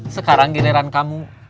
sekarang giliran kamu